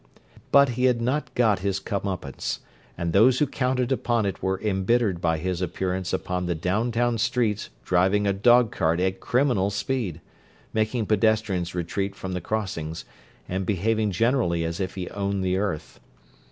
But he had not got his come upance, and those who counted upon it were embittered by his appearance upon the down town streets driving a dog cart at criminal speed, making pedestrians retreat from the crossings, and behaving generally as if he "owned the earth."